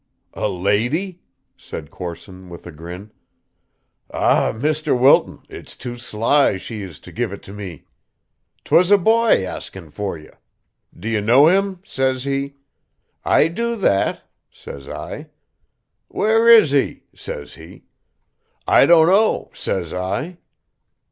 "A lady?" said Corson with a grin. "Ah, Mr. Wilton, it's too sly she is to give it to me. 'Twas a boy askin' for ye. 'Do you know him?' says he. 'I do that,' says I. 'Where is he?' says he. 'I don't know,' says I.